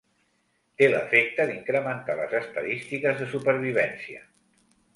Té l'efecte d'incrementar les estadístiques de supervivència.